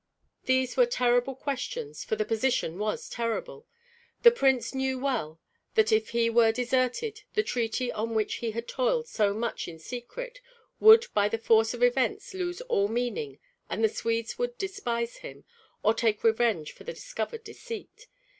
These were terrible questions, for the position was terrible. The prince knew well that if he were deserted the treaty on which he had toiled so much in secret would by the force of events lose all meaning and the Swedes would despise him, or take revenge for the discovered deceit.